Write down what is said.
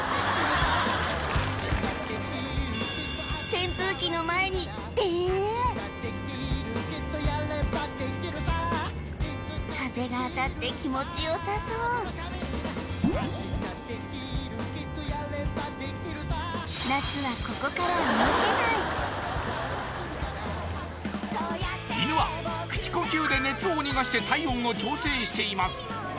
扇風機の前にデーン風が当たって気持ちよさそう犬は口呼吸で熱を逃がして体温を調整しています